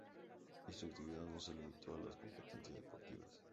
Y su actividad no se limitó a las competencias deportivas.